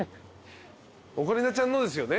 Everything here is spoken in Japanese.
オカリナちゃんのですよね？